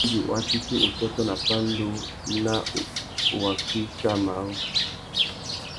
Indi wa fiti ussôtô nà pandú nà waki kā marru.